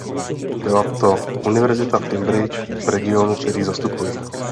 Byla to univerzita v Cambridge, v regionu, který zastupuji.